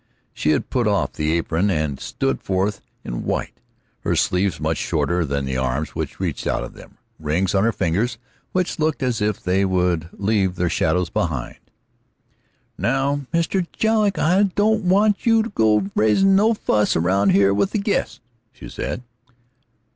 She had put off her apron, and stood forth in white, her sleeves much shorter than the arms which reached out of them, rings on her fingers which looked as if they would leave their shadows behind. "Now, Mr. Jedlick, I don't want you to go raisin' no fuss around here with the guests," she said.